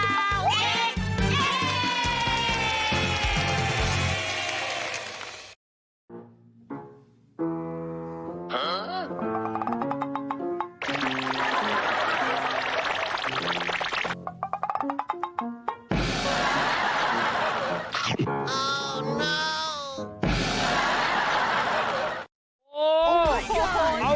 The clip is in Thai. สมัดข้าวเด็ก